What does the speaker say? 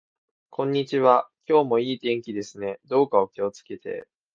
こんにちは。今日も良い天気ですね。どうかお気をつけて。